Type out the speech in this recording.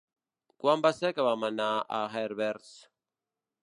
Quan va ser que vam anar a Herbers?